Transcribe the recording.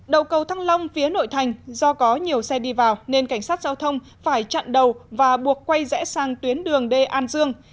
đầu cầu thăng long phía nội thành do có nhiều xe đi vào nên cảnh sát giao thông phải chặn đầu và buộc quay rẽ sang tuyến đường d an dương